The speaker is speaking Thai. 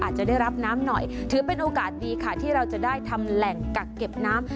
จะได้รับน้ำหน่อยถือเป็นโอกาสดีค่ะที่เราจะได้ทำแหล่งกักเก็บน้ำ